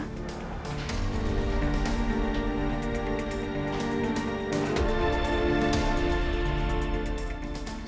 ya siapin dulu ya